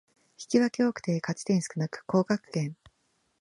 引き分け多くて勝ち点少なく降格圏